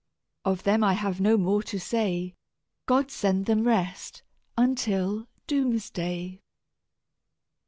Of them I have no more to say: God send them rest until doom's day!"